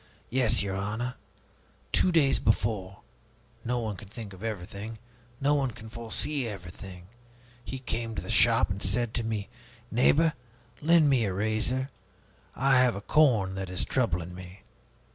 Yes, your honor. Two days before no one can think of everything, no one can foresee everything he came to the shop and said to me, 'Neighbor, lend me a razor; I have a corn that is troubling me.'